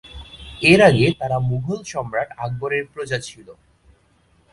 এর আগে তারা মুঘল সম্রাট আকবরের প্রজা ছিল।